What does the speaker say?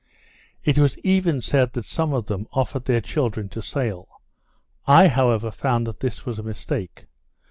It was even said that some of them offered their children to sale. I however found that this was a mistake.